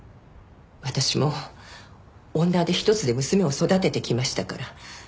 私も女手一つで娘を育ててきましたから。